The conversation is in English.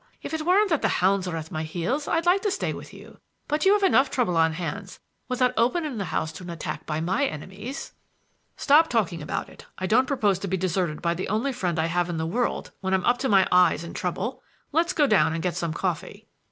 If it weren't that the hounds are at my heels I'd like to stay with you, but you have enough trouble on hands without opening the house to an attack by my enemies." "Stop talking about it. I don't propose to be deserted by the only friend I have in the world when I'm up to my eyes in trouble. Let's go down and get some coffee."